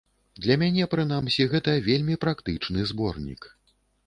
Для мяне, прынамсі, гэта вельмі практычны зборнік.